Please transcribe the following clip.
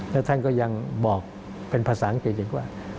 และท่านก็ยังบอกเป็นภาษาอังกฤษอีกว่า